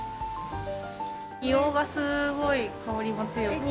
硫黄がすごい香りが強くて。